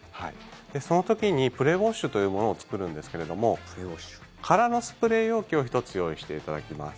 その時にプレウォッシュというものを作るんですけれども空のスプレー容器を１つ用意していただきます。